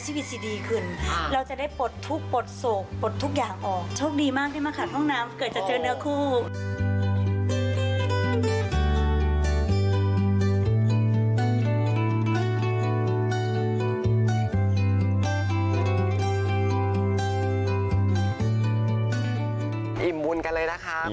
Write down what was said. ทำให้เรามีความสุขการที่เราทำแล้วว่าให้คนอื่นไม่ใช่แค่ที่วัดนะคะ